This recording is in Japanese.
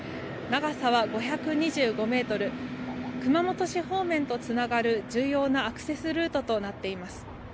長さは５２５メートル、熊本市方面とつながる重要なアクセスルートとなっています。